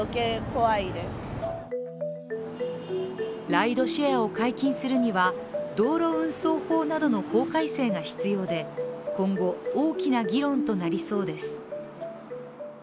ライドシェアを解禁するには道路運送法などの法改正が必要で今後、大きな議論となりそうです。